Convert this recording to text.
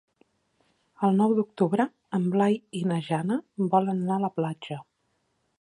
El nou d'octubre en Blai i na Jana volen anar a la platja.